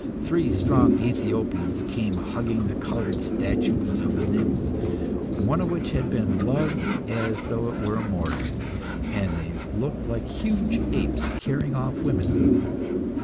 Three strong Ethiopians came hugging the coloured statues of the nymphs, one of which had been loved as though it were a mortal; and they looked like huge apes carrying off women.